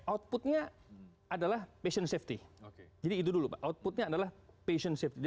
outputnya adalah passion safety jadi itu dulu pak outputnya adalah patient safety